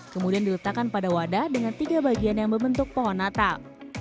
kemudian diletakkan pada wadah dengan tiga bagian yang membentuk pohon natal